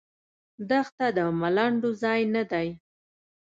دښته د ملنډو ځای نه دی.